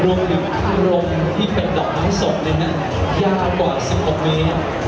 รวมถึงข้างลงที่เป็นดอกไม้สมยากกว่าสิบกว่าเมตร